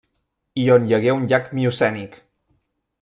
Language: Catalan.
I on hi hagué un llac miocènic.